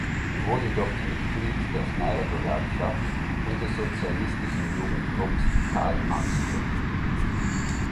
Er wurde dort Mitglied der Schneider-Gewerkschaft und des sozialistischen Jugendclubs "Karl-Marx-Club".